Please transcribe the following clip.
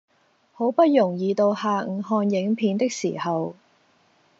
好不容易到下午看影片的時候